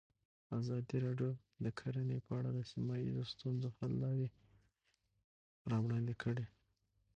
ازادي راډیو د کرهنه په اړه د سیمه ییزو ستونزو حل لارې راوړاندې کړې.